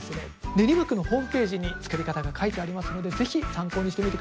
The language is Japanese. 練馬区のホームページに作り方が書いてありますので是非参考にしてみてください。